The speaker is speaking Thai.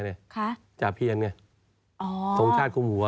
สังเฉพาะท่องชาติความหัว